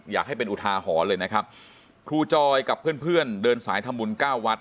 อยากให้เป็นอุทาหอลเลยนะครับครูจอยกับเพื่อนเดินสายธรรมวล๙วัด